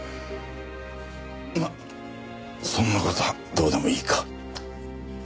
まっそんな事はどうでもいいか。